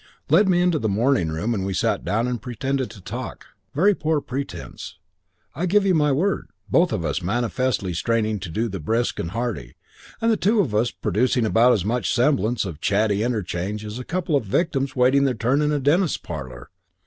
"Led me into the morning room and we sat down and pretended to talk. Very poor pretence, I give you my word. Both of us manifestly straining to do the brisk and hearty, and the two of us producing about as much semblance of chatty interchange as a couple of victims waiting their turn in a dentist's parlour.